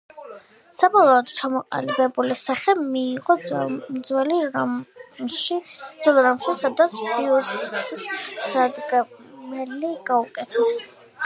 საბოლოოდ ჩამოყალიბებული სახე მიიღო ძველ რომში, სადაც ბიუსტს დასადგმელი გაუკეთეს.